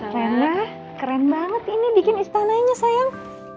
renah keren banget ini bikin istananya sayang